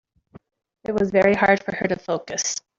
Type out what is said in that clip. It was very hard for her to focus.